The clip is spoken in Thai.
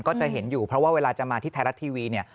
ก็จะเห็นอยู่เพราะว่าเวลาจะมาที่ไทยรัฐทีวีเนี่ย